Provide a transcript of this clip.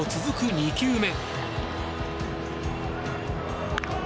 ２球目。